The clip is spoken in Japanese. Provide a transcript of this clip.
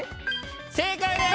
正解です！